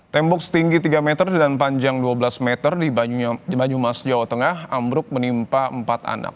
tembok setinggi tiga meter dan panjang dua belas meter di banyumas jawa tengah ambruk menimpa empat anak